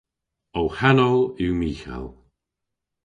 Ow hanow yw Mighal.